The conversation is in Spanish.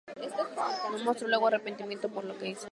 No mostró luego arrepentimiento por lo que hizo.